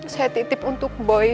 saya titip untuk boy ya mas